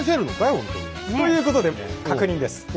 ほんとに。ということで確認です。